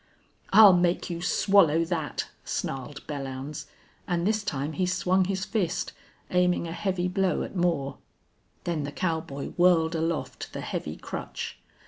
"I'll make you swallow that," snarled Belllounds, and this time he swung his fist, aiming a heavy blow at Moore. Then the cowboy whirled aloft the heavy crutch.